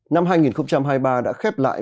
năm hai nghìn hai mươi ba đã khép lại